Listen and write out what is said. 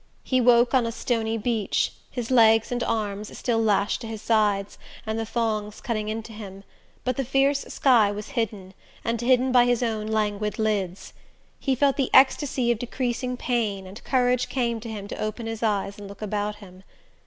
He woke on a stony beach, his legs and arms still lashed to his sides and the thongs cutting into him; but the fierce sky was hidden, and hidden by his own languid lids. He felt the ecstasy of decreasing pain, and courage came to him to open his eyes and look about him...